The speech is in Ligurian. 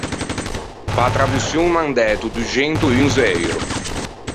Pe-a traduçion m’an dæto duxento unze euro.